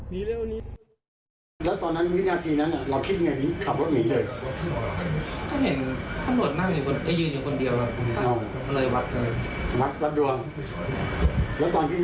แล้วตอนนั้นวินาทีนั้นเราคิดอย่างไรขับรถหนีเลย